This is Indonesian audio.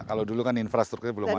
kalau dulu kan infrastrukturnya belum ada